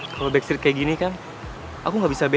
kalau backstreet kayak gini kan aku gak bisa ngelakuin